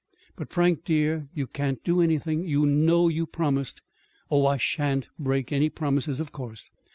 "But, Frank, dear, you can't do anything. You know you promised." "Oh, I shan't break any promises, of course.